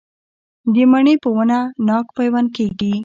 د مڼې په ونه ناک پیوند کیږي؟